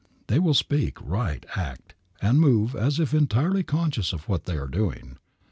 They will speak, write, act, and move as if entirely conscious of what they are doing.